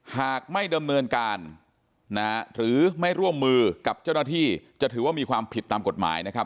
หากไม่ดำเนินการหรือไม่ร่วมมือกับเจ้าหน้าที่จะถือว่ามีความผิดตามกฎหมายนะครับ